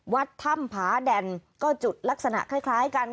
วัดถ้ำผาแด่นก็จุดลักษณะคล้ายกัน